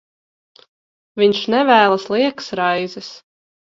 Viņš nevēlas liekas raizes.